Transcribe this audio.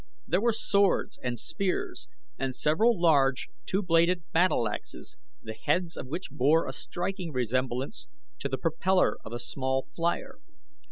There were swords and spears and several large, two bladed battle axes, the heads of which bore a striking resemblance to the propellor of a small flier.